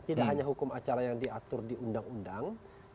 tidak hanya hukum acara yang diatur di undang undang